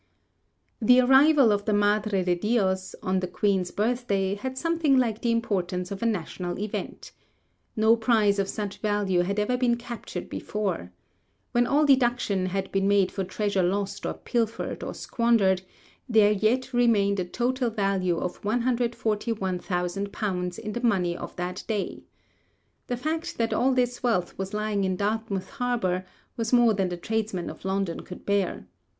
The arrival of the 'Madre de Dios' on the Queen's birthday had something like the importance of a national event. No prize of such value had ever been captured before. When all deduction had been made for treasure lost or pilfered or squandered, there yet remained a total value of 141,000_l._ in the money of that day. The fact that all this wealth was lying in Dartmouth harbour was more than the tradesmen of London could bear.